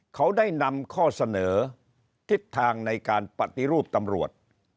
เขาได้นำข้อเสนอทิศทางในการปฏิรูปตำรวจ